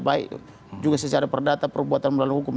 baik juga secara perdata perbuatan melawan hukum